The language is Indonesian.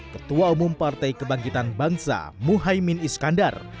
ketua umum partai kebangkitan bangsa muhaymin iskandar